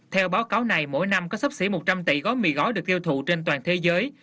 theo báo cáo này mỗi năm có sắp xỉ một trăm linh tỷ gói mì gói được tiêu thụ trên toàn thế giới